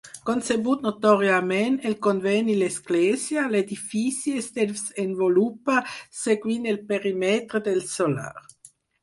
Concebut notòriament el convent i l'església, l'edifici es desenvolupa seguint el perímetre del solar.